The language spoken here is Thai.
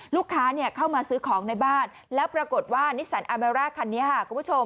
ลูกค้าเข้ามาซื้อของในบ้านแล้วปรากฏว่านิสสันอาเมร่าคันนี้ค่ะคุณผู้ชม